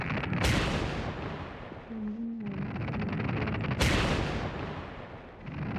Wengine walikuwa wauguzi